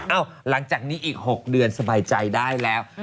หลังจากนี้อีก๖เดือนสบายใจได้แล้ว